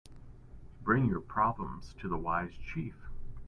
Bring your problems to the wise chief.